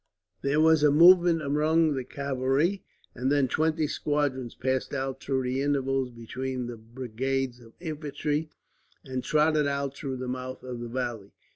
There was a movement among the cavalry, and then twenty squadrons passed out through the intervals between the brigades of infantry, and trotted out through the mouth of the valley.